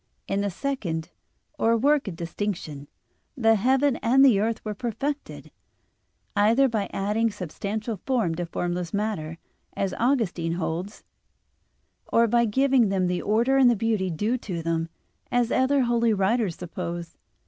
In the second, or work of "distinction," the heaven and the earth were perfected, either by adding substantial form to formless matter, as Augustine holds (Gen. ad lit. ii, 11), or by giving them the order and beauty due to them, as other holy writers suppose.